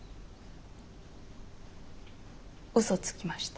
うそつきました。